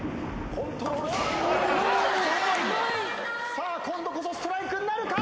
さあ今度こそストライクなるか？